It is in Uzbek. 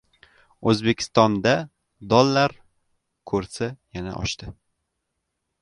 O‘zbekistonda dollar kursi yana oshdi